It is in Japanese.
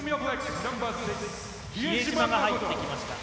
比江島が入ってきました。